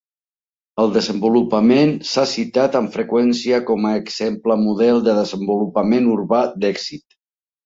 El desenvolupament s'ha citat amb freqüència com a exemple model de desenvolupament urbà d'èxit.